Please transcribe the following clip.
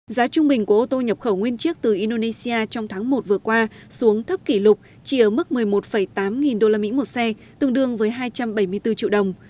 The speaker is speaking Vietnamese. giá trung bình của ô tô nhập khẩu nguyên chiếc từ indonesia trong tháng một vừa qua xuống thấp kỷ lục chỉ ở mức một mươi một tám nghìn usd một xe tương đương với hai trăm bảy mươi bốn triệu đồng